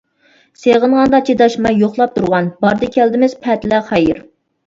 سېغىنغاندا چىداشماي يوقلاپ تۇرغان، باردى-كەلدىمىز، پەتىلەر خەير.